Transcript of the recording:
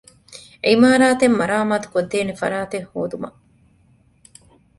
ޢިމާރާތެއް މަރާމާތުކޮށްދޭނެ ފަރާތެއް ހޯދުމަށް